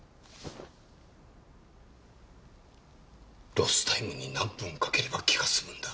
ロスタイムに何分かければ気が済むんだ？